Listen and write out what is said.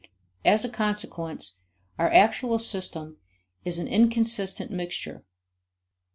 As a consequence, our actual system is an inconsistent mixture.